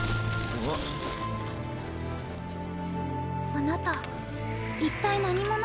あなた一体何者？